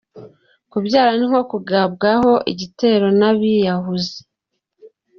Kubyara ni nko kugabwaho igitero n’abiyahuzi